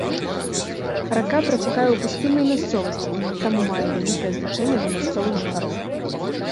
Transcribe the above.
Рака працякае ў пустыннай мясцовасці, таму мае вялікае значэнне для мясцовых жыхароў.